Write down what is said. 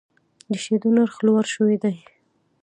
د شیدو نرخ لوړ شوی دی.